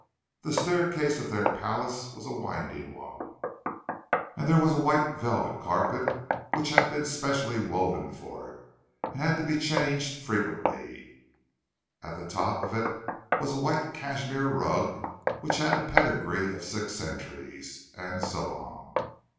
The staircase of their palace was a winding one, and there was a white velvet carpet which had been specially woven for it, and had to be changed frequently; at the top of it was a white cashmere rug which had a pedigree of six centuries—and so on.